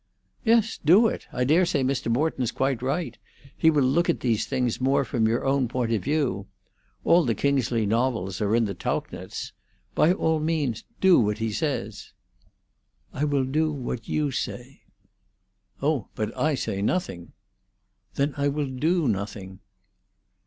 "Yes, do it. I dare say Mr. Morton's quite right. He will look at these things more from your own point of view. All the Kingsley novels are in the Tauchnitz. By all means do what he says." "I will do what you say." "Oh, but I say nothing." "Then I will do nothing."